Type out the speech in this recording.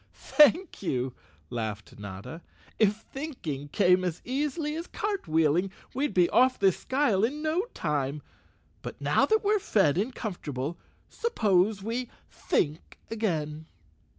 "Thank you," laughed Notta. "If thinking came as 147 The Cowardly Lion of Qz _ easily as cartwheeling we'd be off this skyle in no time. But now that we're fed and comfortable, suppose we think again."